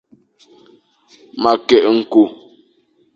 Ma keghle nku.